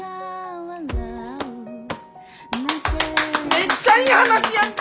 めっちゃいい話やんか！